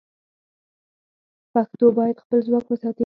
پښتو باید خپل ځواک وساتي.